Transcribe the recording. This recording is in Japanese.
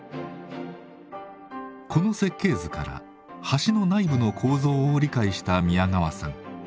この設計図から橋の内部の構造を理解した宮川さん。